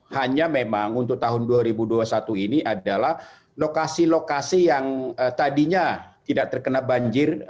hanya memang untuk tahun dua ribu dua puluh satu ini adalah lokasi lokasi yang tadinya tidak terkena banjir